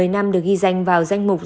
một mươi năm được ghi danh vào danh mục